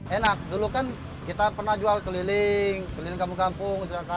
enak dulu kan kita pernah jual keliling keliling kampung kampung